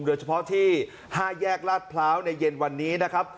โดยเฉพาะที่๕แยกลาดพร้าวในเย็นวันนี้นะครับ